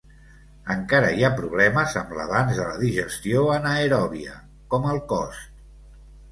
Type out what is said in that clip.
Encara hi ha problemes amb l'avanç de la digestió anaeròbia, com el cost.